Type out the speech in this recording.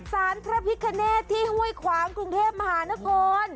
สารพระพิคเนตที่ห้วยขวางกรุงเทพมหานคร